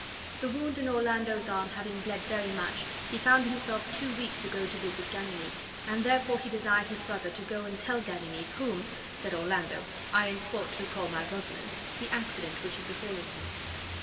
The wound in Orlando's arm having bled very much, he found himself too weak to go to visit Ganymede, and therefore he desired his brother to go and tell Ganymede, "whom," said Orlando, "I in sport do call my Rosalind," the accident which had befallen him.